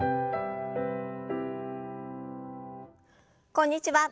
こんにちは。